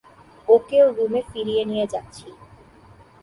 ওকে ওর রুমে ফিরিয়ে নিয়ে যাচ্ছি।